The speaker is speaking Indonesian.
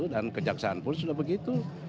dan kejaksaan pun sudah begitu